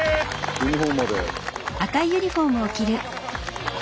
ユニフォームまで！